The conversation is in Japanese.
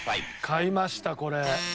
買いましたこれ。